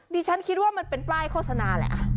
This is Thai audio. ดิฉันคิดว่ามันเป็นป้ายโฆษณาแหละ